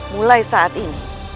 mulai saat ini